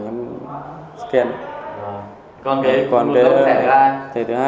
có quần áo không có túi của